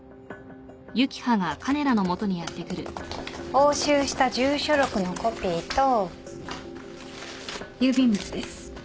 押収した住所録のコピーと郵便物です。